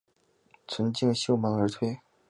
存敬修盟而退。